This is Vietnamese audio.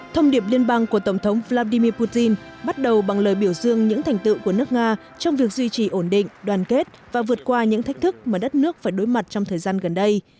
thông điệp liên bang của tổng thống vladimir putin bắt đầu bằng lời biểu dương những thành tựu của nước nga trong việc duy trì ổn định đoàn kết và vượt qua những thách thức mà đất nước phải đối mặt trong thời gian gần đây